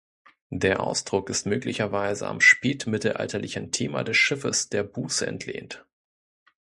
Der Ausdruck ist möglicherweise am spätmittelalterlichen Thema des Schiffes der Buße entlehnt.